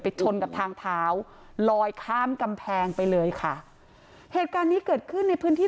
ชนกับทางเท้าลอยข้ามกำแพงไปเลยค่ะเหตุการณ์นี้เกิดขึ้นในพื้นที่